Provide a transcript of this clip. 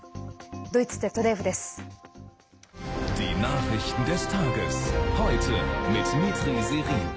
ドイツＺＤＦです。